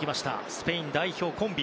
スペイン代表コンビ。